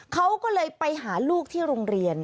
เขาก็เลยไปหาลูกที่โรงเรียน